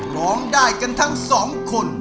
ร้องได้กันทั้งสองคน